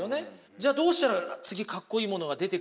じゃどうしたら次かっこいいものが出てくるか。